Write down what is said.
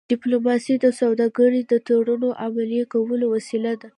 ډيپلوماسي د سوداګری د تړونونو عملي کولو وسیله ده.